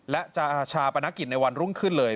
และจะชาปนกิจในวันรุ่งขึ้นเลย